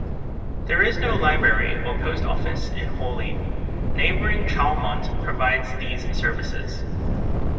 There is no library or post office in Hawley; neighboring Charlemont provides these services.